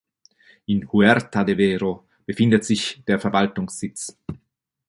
In Huerta de Vero befindet sich der Verwaltungssitz.